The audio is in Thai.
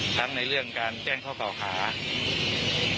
ทั้งในเรื่องการแจ้งข้อเก่าหา